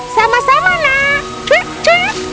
sama sama nak cui cui